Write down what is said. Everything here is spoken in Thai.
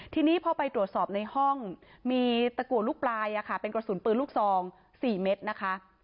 ทีนี้พอไปตรวจสอบในห้องมีตะกัวลูกปลายเป็นกระสุนปืนลูกซอง๔เมตรนะคะ